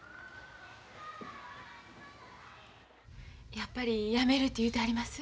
やっぱりやめるて言うてはります？